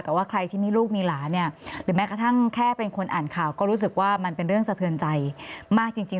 แต่ว่าใครที่มีลูกมีหลานเนี่ยหรือแม้กระทั่งแค่เป็นคนอ่านข่าวก็รู้สึกว่ามันเป็นเรื่องสะเทือนใจมากจริง